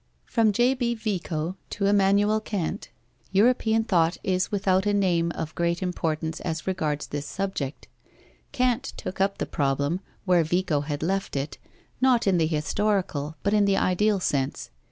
From J.B. Vico to Emmanuel Kant, European thought is without a name of great importance as regards this subject. Kant took up the problem, where Vico had left it, not in the historical, but in the ideal sense.